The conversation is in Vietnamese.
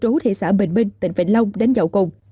tại xã bình minh tỉnh vịnh long đến dậu cùng